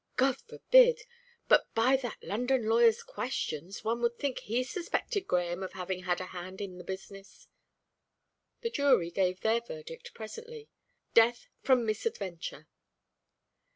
"God forbid! But by that London lawyer's questions one would think he suspected Grahame of having had a hand in the business." The jury gave their verdict presently, "Death from misadventure."